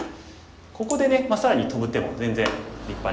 ここでね更にトブ手も全然立派ですね。